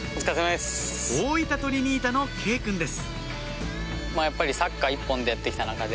大分トリニータの慶くんです